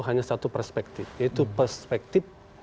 hanya satu perspektif yaitu perspektif